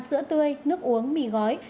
sữa tươi nước uống mì gói